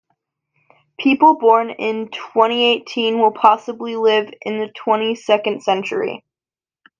People born in twenty-eighteen will possibly live into the twenty-second century.